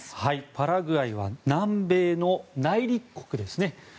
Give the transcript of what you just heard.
パラグアイは南米の内陸国です。